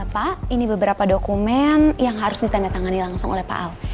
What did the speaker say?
pak ini beberapa dokumen yang harus ditandatangani langsung oleh pak al